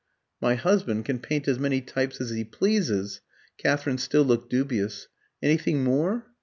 "My husband can paint as many types as he pleases." Katherine still looked dubious. "Anything more?"